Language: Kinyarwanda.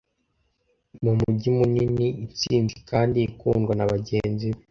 mu mujyi munini. intsinzi kandi ikundwa na bagenzi be